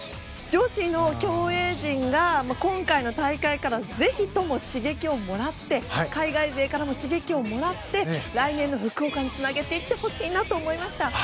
女子の競泳陣が今回の大会からぜひとも刺激をもらって海外勢からも刺激をもらって来年の福岡につなげていってほしいなと思いました。